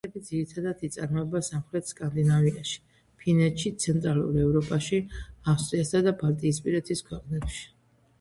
ევროპაში პელეტები ძირითადად იწარმოება სამხრეთ სკანდინავიაში, ფინეთში, ცენტრალურ ევროპაში, ავსტრიასა და ბალტიისპირეთის ქვეყნებში.